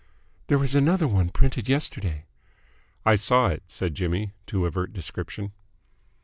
"There was another one printed yesterday." "I saw it," said Jimmy, to avert description.